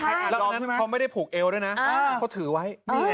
แล้วน้องเขาไม่ได้ผูกเอวด้วยนะเขาถือไว้